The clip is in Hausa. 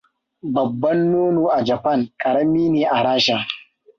Babban nono a Japan ƙarami ne a Rasha.